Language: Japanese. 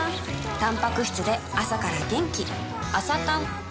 たんぱく質で朝から元気